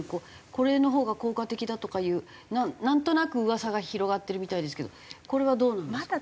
これのほうが効果的だとかいうなんとなく噂が広がってるみたいですけどこれはどうなんですか？